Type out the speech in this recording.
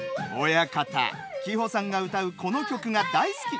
親方希歩さんが歌うこの曲が大好き。